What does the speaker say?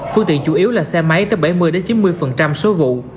phương tiện chủ yếu là xe máy tới bảy mươi chín mươi số vụ